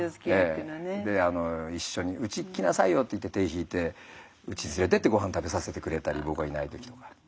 一緒にうち来なさいよって言って手引いてうちに連れてってごはん食べさせてくれたり僕がいない時とか。